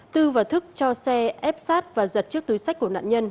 tư và thức cho xe ép sát và giật chiếc túi sách của nạn nhân